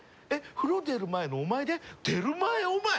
「風呂出る前のお前」で「出るまえ・オマエ」？